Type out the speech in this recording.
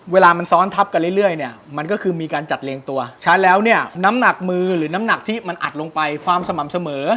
เวลามันซ้อนทับกันเรื่อยเนี่ยมันก็คือมีการจัดเรียงตัวช้าแล้วเนี่ยน้ำหนักมือหรือน้ำหนักที่มันอัดลงไปความสม่ำเสมอ